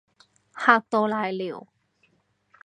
嚇到瀨尿